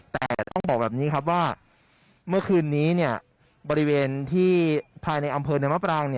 แต่ต้องบอกแบบนี้ครับว่าเมื่อคืนนี้บริเวณที่ภายในอำเภอเนินมะปราง